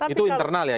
itu internal ya